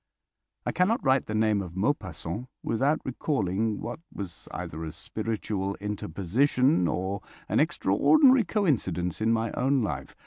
I cannot write the name of Maupassant without recalling what was either a spiritual interposition or an extraordinary coincidence in my own life.